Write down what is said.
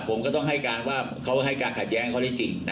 นะครับผมก็ต้องให้การว่าเขาให้การขัดแย้งข้อเรียกจริงนะครับ